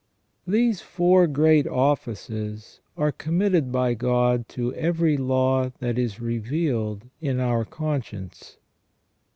These four great offices are committed by God to every law that is revealed in our conscience.